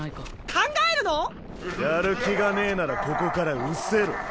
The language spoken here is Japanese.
考えるの⁉やる気がねぇならここからうせろ。